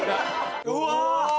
うわ！